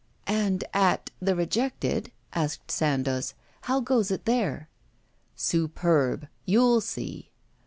'And at "the Rejected,"' asked Sandoz; 'how goes it there?' 'Superb; you'll see.